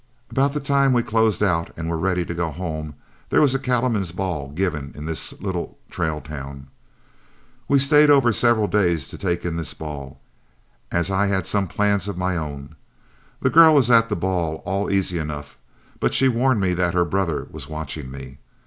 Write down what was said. About the time we closed out and were again ready to go home, there was a cattleman's ball given in this little trail town. We stayed over several days to take in this ball, as I had some plans of my own. My girl was at the ball all easy enough, but she warned me that her brother was watching me.